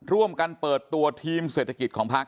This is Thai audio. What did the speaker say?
ร่วมกันเปิดตัวทีมเศรษฐกิจของพัก